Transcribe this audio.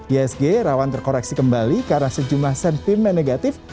isg rawan terkoreksi kembali karena sejumlah sentimen negatif